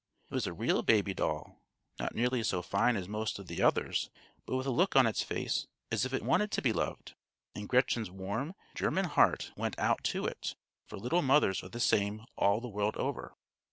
It was a real baby doll, not nearly so fine as most of the others, but with a look on its face as if it wanted to be loved; and Gretchen's warm German heart went out to it, for little mothers are the same all the world over.